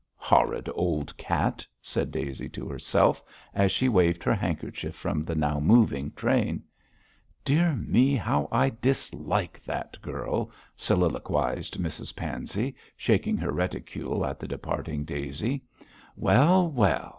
'Horrid old cat!' said Daisy to herself, as she waved her handkerchief from the now moving train. 'Dear me! how I dislike that girl,' soliloquised Mrs Pansey, shaking her reticule at the departing Daisy. 'Well! well!